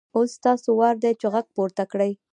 اوس ستاسو وار دی چې غږ پورته کړئ.